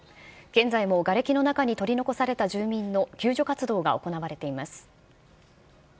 現在もがれきの中に取り残された住民の救助活動が行われています。